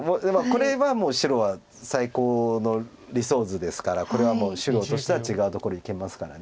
これはもう白は最高の理想図ですからこれはもう白としては違うところにいけますから。